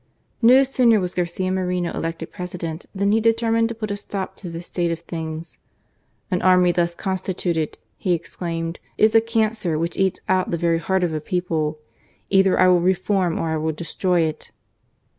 No sooner was Garcia Moreno elected President than he determined to put a stop to this state of things. An army thus constituted," he exclaimed, is a cancer which eats out the very heart of a people. Either I will reform or I will destroy it."